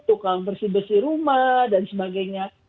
tukang bersih bersih rumah dan sebagainya